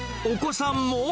お子さんも。